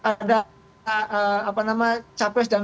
ada apa nama capres dan wakil presiden